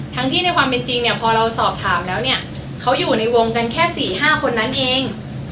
ทั้งที่ในความเป็นจริงเนี่ยพอเราสอบถามแล้วเนี่ยเขาอยู่ในวงกันแค่๔๕คนนั้นเอง